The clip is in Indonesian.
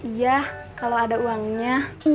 iya kalau ada uangnya